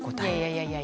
いやいや。